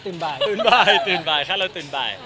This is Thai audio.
ตื่นบ่ายค่ะแล้วตื่นบ่าย